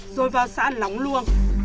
rồi vào xã lóng luông